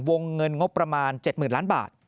วงเงินงบประมาณ๗๐๐๐ล้านบาท